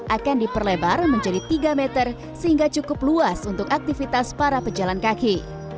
akan diperlebar menjadi tiga meter sehingga cukup luas untuk aktivitas para pejalan kaki